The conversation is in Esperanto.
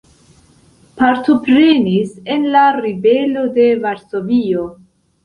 Partoprenis en la ribelo de Varsovio.